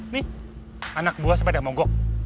nih anak buah sepeda monggok